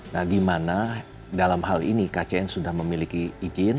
nah dimana dalam hal ini kcn sudah memiliki izin